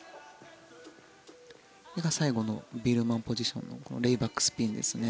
最後のビールマンポジションのレイバックスピンですね。